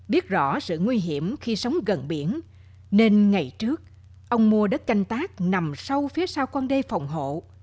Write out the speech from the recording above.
biết rõ sự nguy hiểm khi sống gần biển nên ngày trước ông mua đất canh tác nằm sâu phía sau con đê phòng hộ